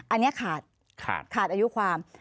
อันนี้ขาดขาดอายุความ